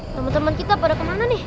teman teman kita pada kemana nih